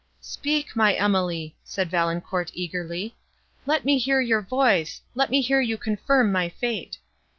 "Speak, my Emily!" said Valancourt eagerly, "let me hear your voice, let me hear you confirm my fate."